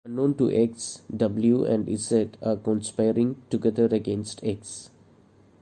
Unknown to X, W and Z are conspiring together against X.